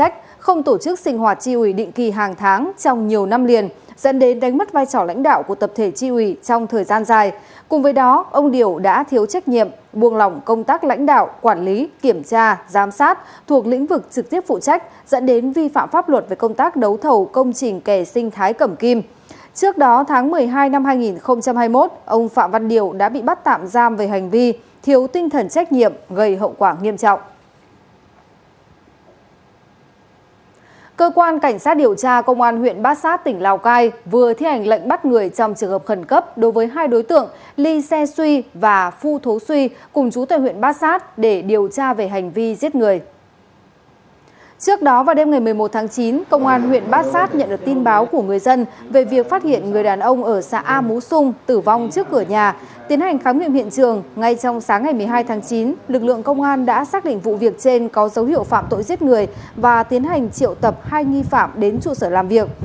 trong sáng ngày một mươi hai tháng chín lực lượng công an đã xác định vụ việc trên có dấu hiệu phạm tội giết người và tiến hành triệu tập hai nghi phạm đến trụ sở làm việc